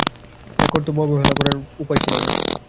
এ কর্তব্য অবহেলা করিবার উপায় ছিল না।